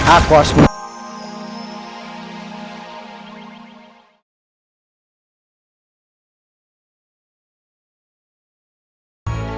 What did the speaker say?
aku harus mencari